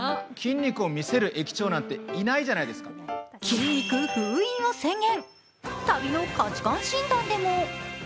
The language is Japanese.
筋肉封印を宣言。